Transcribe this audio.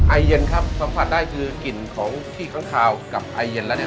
ไอเย็นครับสัมผัสได้คือกลิ่นของขี้ค้างคาวกับไอเย็นแล้วเนี่ย